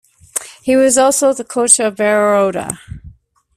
He was also the coach of Baroda.